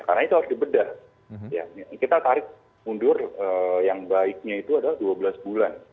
karena itu harus dibeda kita tarik mundur yang baiknya itu adalah dua belas bulan